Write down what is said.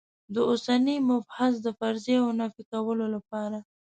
د اوسني مبحث د فرضیو نفي کولو لپاره.